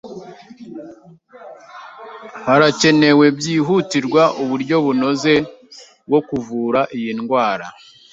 Harakenewe byihutirwa uburyo bunoze bwo kuvura iyi ndwara